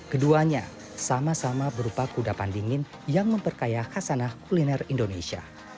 keduanya sama sama berupa kuda pendingin yang memperkaya khasanah kuliner indonesia